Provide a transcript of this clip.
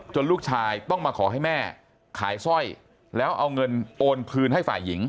ลูกชายต้องมาขอให้แม่ขายสร้อยแล้วเอาเงินโอนคืนให้ฝ่ายหญิง